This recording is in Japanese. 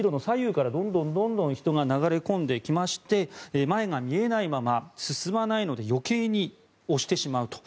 どんどん人が流れ込んできまして前が見えないまま進まないので余計に押してしまうと。